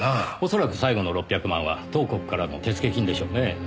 恐らく最後の６００万は東国からの手付金でしょうねぇ。